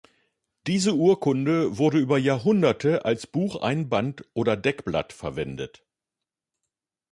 Diese Urkunde wurde über Jahrhunderte als Bucheinband oder Deckblatt verwendet.